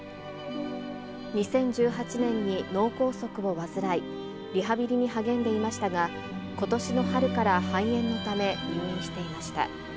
２０１８年に脳梗塞を患い、リハビリに励んでいましたが、ことしの春から、肺炎のため、入院していました。